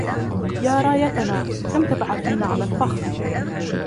يا رايتنا، كم تبعثين على الفخر